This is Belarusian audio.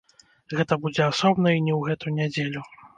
Гэта будзе асобна і не ў гэту нядзелю.